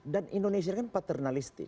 dan indonesia kan paternalistik